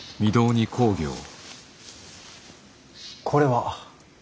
これは？